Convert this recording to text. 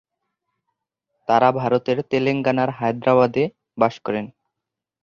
তাঁরা ভারতের তেলেঙ্গানার হায়দ্রাবাদে বাস করেন।